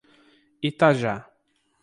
Itajá